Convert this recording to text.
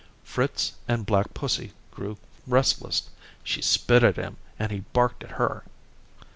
Fritz and black pussy grew restless. She spit at him, and he barked at her.